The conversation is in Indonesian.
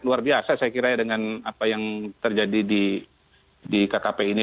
luar biasa saya kira ya dengan apa yang terjadi di kkp ini